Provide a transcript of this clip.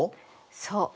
そう。